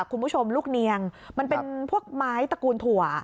คุณผู้ชมลูกเนียงมันเป็นพวกไม้ตระกูลถั่ว